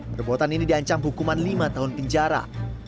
perbuatan ini diancam hukuman lima tahun penjara